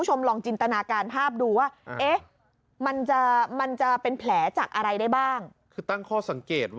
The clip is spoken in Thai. ตอนนี้ประสบภาพธรรมปักเข้าแล้ว